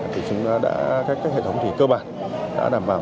thì chúng ta đã các hệ thống cơ bản đã đảm bảo